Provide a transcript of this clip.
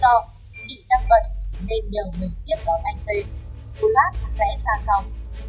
với lý do chị đang bận nên nhờ người tiếp đón anh t cô lát sẽ ra góc